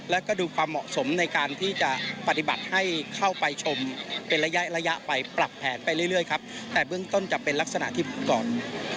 แล้วก็ดูความเหมาะสมในการที่จะปฏิบัติให้เข้าไปชมเป็นระยะระยะไปปรับแผนไปเรื่อยครับแต่เบื้องต้นจะเป็นลักษณะที่ก่อน